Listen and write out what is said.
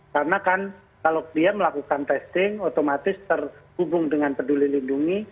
karena kan kalau dia melakukan testing otomatis terhubung dengan peduli lindungi